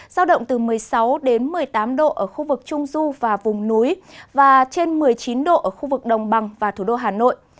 giao động từ một mươi sáu đến một mươi tám độ ở khu vực trung du và vùng núi và trên một mươi chín độ ở khu vực đồng bằng và thủ đô hà nội